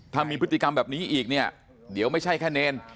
ถ้ามีพฤติกรรมแบบนี้อีกเนี่ยเดี๋ยวไม่ใช่แค่เนร